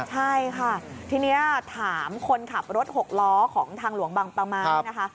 ใช่ค่ะทีนี้ถามคนขับรถหกล้อของทางหลวงบางประมาณนะคะ